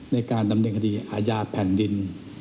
ในการดำเนินคดีอาญาแผ่นดิน